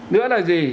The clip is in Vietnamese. nữa là gì